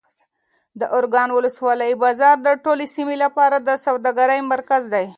د ارګون ولسوالۍ بازار د ټولې سیمې لپاره د سوداګرۍ مرکز دی.